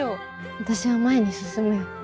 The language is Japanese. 私は前に進むよ。